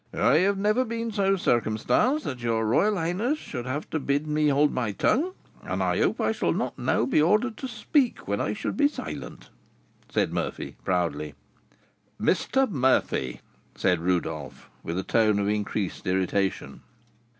"I have never been so circumstanced that your royal highness should have to bid me hold my tongue, and I hope I shall not now be ordered to speak when I should be silent," said Murphy, proudly. "Mr. Murphy!" said Rodolph, with a tone of increased irritation.